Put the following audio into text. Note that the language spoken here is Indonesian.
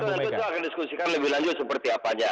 itu sudah akan didiskusikan lebih lanjut seperti apanya